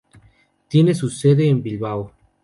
Tiene su sede en Bilbao.